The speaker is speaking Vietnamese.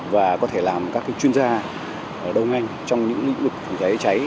và có thể làm các chuyên gia đầu ngành trong những lĩnh vực phòng cháy cháy